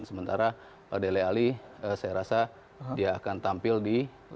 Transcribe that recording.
sementara dele alli saya rasa dia akan tampil di lebih bawah